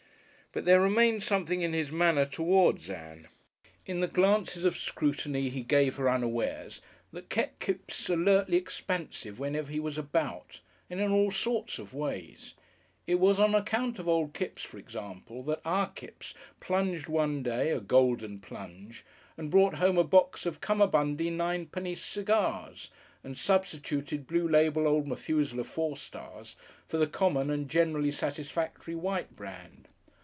But there remained something in his manner towards Ann; in the glances of scrutiny he gave her unawares, that kept Kipps alertly expansive whenever he was about. And in all sorts of ways. It was on account of old Kipps, for example, that our Kipps plunged one day, a golden plunge, and brought home a box of cummerbundy ninepenny cigars, and substituted blue label old Methusaleh Four Stars for the common and generally satisfactory white brand.